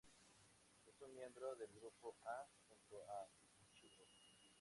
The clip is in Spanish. Es un miembro del grupo A, junto a Ichigo.